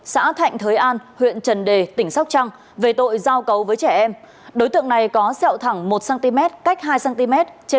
xã thạnh thới an huyện trần đề tỉnh sóc trăng về tội giao cấu với trẻ em